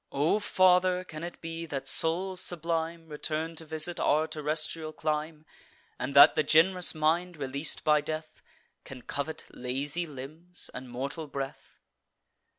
"O father, can it be, that souls sublime Return to visit our terrestrial clime, And that the gen'rous mind, releas'd by death, Can covet lazy limbs and mortal breath?"